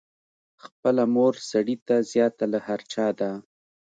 خپله مور سړي ته زیاته له هر چا ده.